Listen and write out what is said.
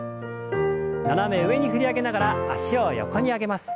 斜め上に振り上げながら脚を横に上げます。